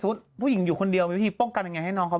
ผู้หญิงอยู่คนเดียวมีวิธีป้องกันยังไงให้น้องเขา